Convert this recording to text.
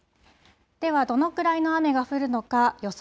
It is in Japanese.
ではどのくらいの雨が降るのか予想